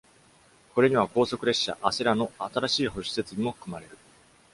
これには、高速列車「アセラ」の新しい保守設備も含まれる。